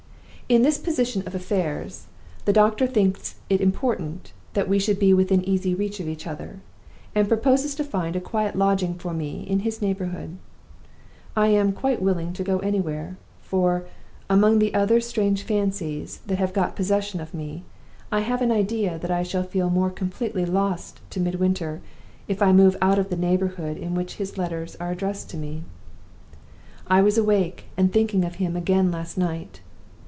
"In this position of affairs, the doctor thinks it important that we should be within easy reach of each other, and proposes to find a quiet lodging for me in his neighborhood. I am quite willing to go anywhere; for, among the other strange fancies that have got possession of me, I have an idea that I shall feel more completely lost to Midwinter if I move out of the neighborhood in which his letters are addressed to me. I was awake and thinking of him again last night.